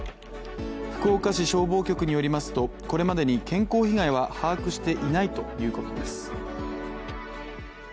福岡市消防局によりますと、これまでに健康被害は把握していないということです。